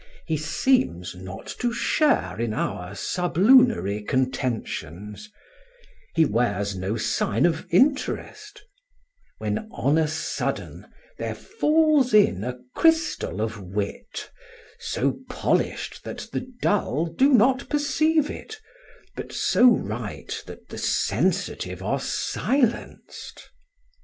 He seems not to share in our sublunary contentions; he wears no sign of interest; when on a sudden there falls in a crystal of wit, so polished that the dull do not perceive it, but so right that the sensitive are silenced.